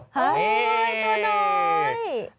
เฮ้ยตัวหน่อย